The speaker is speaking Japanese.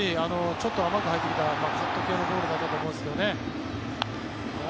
ちょっと甘く入ってきたカット系のボールだと思うんですけどね。